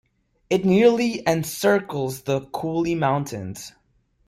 It nearly encircles the Cooley Mountains.